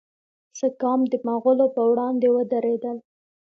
سکام د مغولو پر وړاندې ودریدل.